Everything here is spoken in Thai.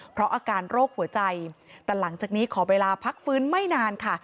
เพราะอาการโรคหัวใจแต่หลังจากนี้ขอเวลาพักฟื้นไม่นานค่ะ